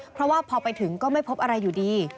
เพราะว่าพอไปถึงก็ไม่พบอะไรอยู่ดี